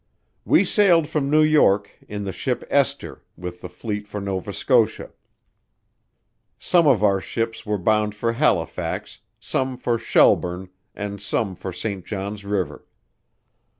We sailed from New York in the ship "Esther" with the fleet for Nova Scotia. Some of our ships were bound for Halifax, some for Shelburne and Rome for St. John's river.